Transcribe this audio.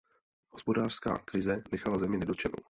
Hospodářská krize nenechala zemi nedotčenu.